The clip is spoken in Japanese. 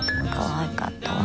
かわいかったわ。